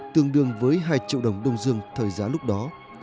tương đương với hai triệu đồng đông dương thời giá lúc đó